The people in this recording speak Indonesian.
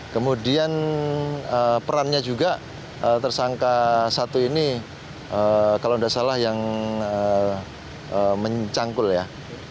kemudian perannya juga tersangka satu ini kalau tidak salah yang mencangkul ya